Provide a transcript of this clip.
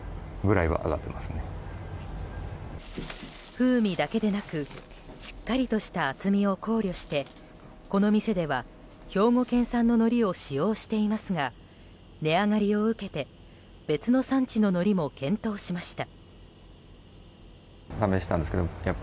風味だけでなくしっかりとした厚みを考慮してこの店では、兵庫県産ののりを使用していますが値上がりを受けて、別の産地ののりも検討しました。